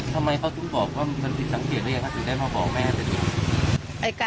ทำไมแป๊บพุทธบอกว่ามันเป็นติดสังเกียจหรือยังคะถึงได้มาบอกแม่